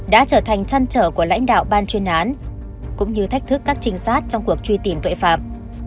đã trở thành chăn trở của lãnh đạo ban chuyên án cũng như thách thức các trinh sát trong cuộc truy tìm tội phạm